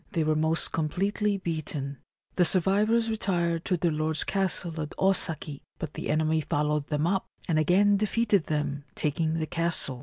They were most completely beaten. The survivors retired to their lord's castle at Osaki ; but the enemy followed them up, and again defeated them, taking the castle.